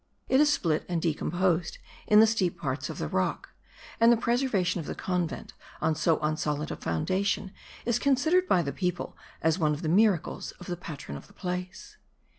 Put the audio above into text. It is split and decomposed in the steep parts of the rock, and the preservation of the convent on so unsolid a foundation is considered by the people as one of the miracles of the patron of the place.